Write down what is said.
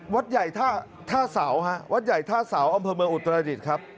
วัดใหญ่ท่าเสาฮะวัดใหญ่ท่าเสาอำเภอเมืองอุตรดิษฐ์ครับ